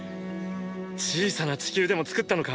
小さな地球でも作ったのか？